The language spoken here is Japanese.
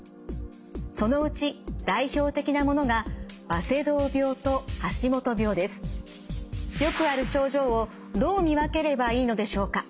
そのうち代表的なものがよくある症状をどう見分ければいいのでしょうか？